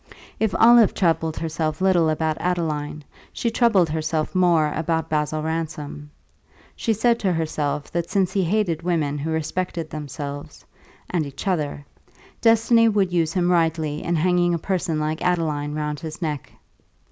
If Olive troubled herself little about Adeline, she troubled herself more about Basil Ransom; she said to herself that since he hated women who respected themselves (and each other), destiny would use him rightly in hanging a person like Adeline round his neck.